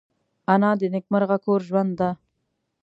انا د نیکمرغه کور ژوند ده